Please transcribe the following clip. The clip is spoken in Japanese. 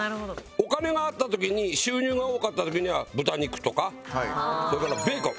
お金があった時に収入が多かった時には豚肉とかそれからベーコン。